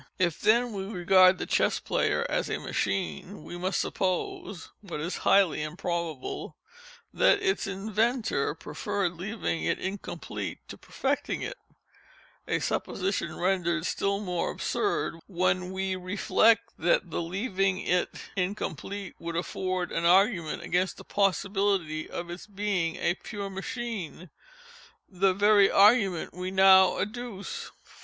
If then we regard the Chess Player as a machine, we must suppose, (what is highly improbable,) that its inventor preferred leaving it incomplete to perfecting it—a supposition rendered still more absurd, when we reflect that the leaving it incomplete would afford an argument against the possibility of its being a pure machine—the very argument we now adduce.